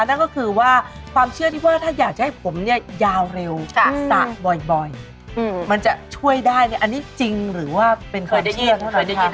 นั่นก็คือว่าความเชื่อที่ว่าถ้าอยากจะให้ผมเนี่ยยาวเร็วสระบ่อยมันจะช่วยได้เนี่ยอันนี้จริงหรือว่าเป็นเคยเชื่อถ้าเคยได้ยิน